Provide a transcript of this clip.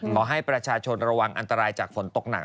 ขอให้ประชาชนระวังอันตรายจากฝนตกหนัก